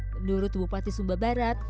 menurut bupati sumba barat